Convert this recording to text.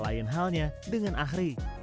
lain halnya dengan ahri